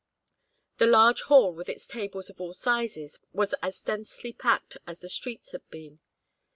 The large hall with its tables of all sizes was as densely packed as the streets had been.